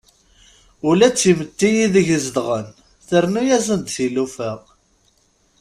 Ula d timetti ideg zegɣen trennu-asen-d tilufa.